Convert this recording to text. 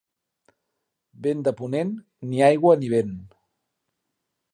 Vent de ponent, ni aigua ni vent.